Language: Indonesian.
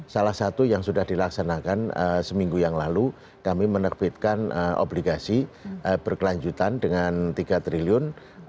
salah satu yang sudah dilaksanakan seminggu yang lalu kami menerbitkan obligasi berkelanjutan dengan tiga triliun